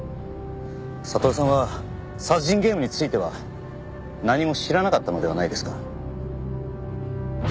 悟さんは殺人ゲームについては何も知らなかったのではないですか？